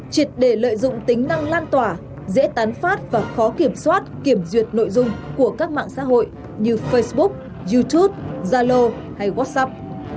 triệt để lợi dụng tính năng lan tỏa dễ tán phát và khó kiểm soát kiểm duyệt nội dung của các mạng xã hội như facebook youtube zalo hay workshop